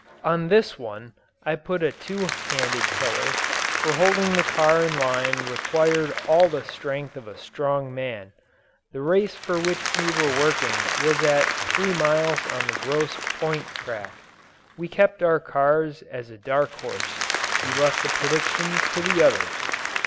On this one I put a two handed tiller, for holding the car in line required all the strength of a strong man. The race for which we were working was at three miles on the Grosse Point track. We kept our cars as a dark horse. We left the predictions to the others.